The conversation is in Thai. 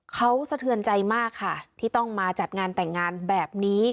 เขาสะเทือนใจมากค่ะที่ต้องมาจัดงานแต่งงานแบบนี้